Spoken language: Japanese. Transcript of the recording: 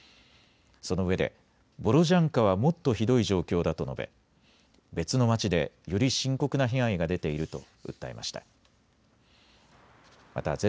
そのうえでボロジャンカはもっとひどい状況だと述べ、別の町でより深刻な被害が出ていると訴えました。